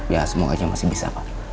ya semoga aja masih bisa pak